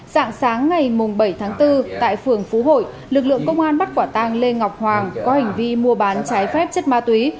dạng sáng ngày bảy tháng bốn tại phường phú hội lực lượng công an bắt quả tang lê ngọc hoàng có hành vi mua bán trái phép chất ma túy